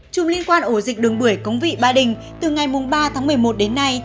chung liên quan ổ dịch đường bưởi cống vị ba đình từ ngày ba tháng một mươi một đến nay